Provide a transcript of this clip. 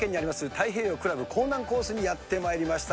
太平洋クラブ江南コースにやってまいりました。